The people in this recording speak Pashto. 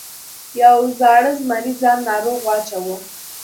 یو زاړه زمري ځان ناروغ واچاوه.